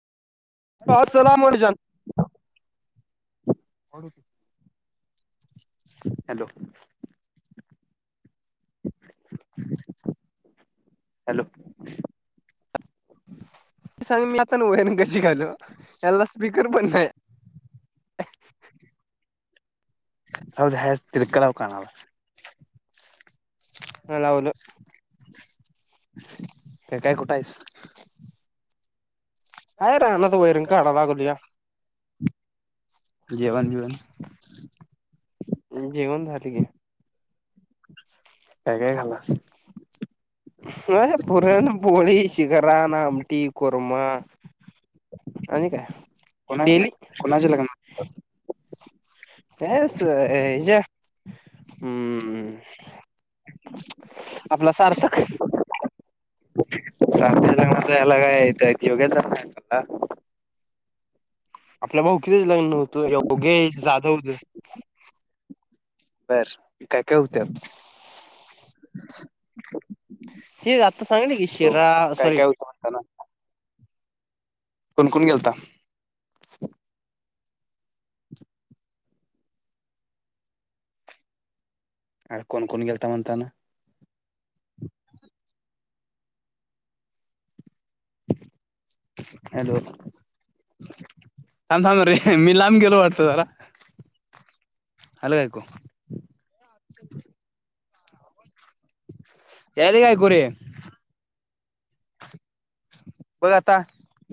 असलाम म्हणून [unintelligible] hello. Hello. सांग मी आता न वरणं कशी घालू, याला स्पीकर पण नाही. ह [inaudible] जाऊदे हाय असं तिरकं लाव कानाला. ह [inaudible] हा लावलं. काय काय कुठं हायस? हाय आहे रानात वैरण काढा काढाय लागलोय. लागलोया. जेवण बिवन? जेवण झालं की काय काय खाल्लास? व्हय पुरण पोळी, शिखरान, आमटी, कुरमा आणि काय? कोणा नाय डेली कुणाच्या लग्नात? काय असं, हे हम्म आपला सार्थक. सार्थक च्या लग्नाला ह्याला काय तर जेवग्याचा [unintelligible] का आपल्या भावकितच लग्न नव्हतं व्हय, योगेश जाधवचं. बर, काय काय हुतं त्यात? हे आता सांगतलं की शिरा, अ सॉरी ह ना कोण कोण गेलता? [inaudible] अरे कोण कोण गेलता म्हणतानं? हॅलो! थांब थांब रे, मी लांब गेलो वाटतं जरा. आलय ऐकू. यालय काय एकू रे, बघ आता.